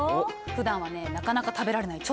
ふだんはねなかなか食べられない